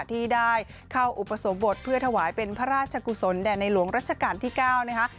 ที่ได้เข้าอุปสมบทเพื่อถวายเป็นพระราชกุศลแด่ในหลวงรัชกาลที่๙นะคะ